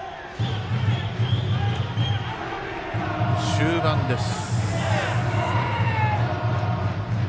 終盤です。